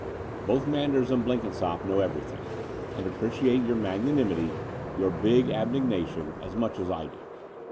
Both Manders and Blenkin sopp know everything and appreciate your mag nanimity, your big abnegation, as much as I do."